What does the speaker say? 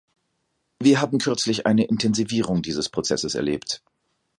Wir haben kürzlich eine Intensivierung dieses Prozesses erlebt.